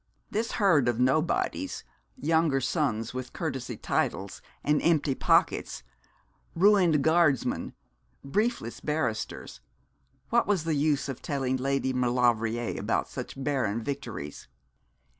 This herd of nobodies younger sons with courtesy titles and empty pockets, ruined Guardsmen, briefless barristers what was the use of telling Lady Maulevrier about such barren victories?